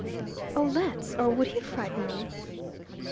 "Oh, let's. Or would he frighten me?"